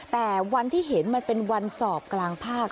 แต่วันที่เห็นมันเป็นวันสอบกลางภาค